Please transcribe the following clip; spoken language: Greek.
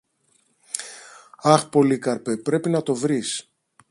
Αχ, Πολύκαρπε, Πρέπει να το βρεις!